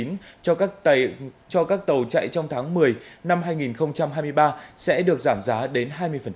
ngày một mươi năm giờ ngày hai mươi bảy tháng chín cho các tàu chạy trong tháng một mươi năm hai nghìn hai mươi ba sẽ được giảm giá đến hai mươi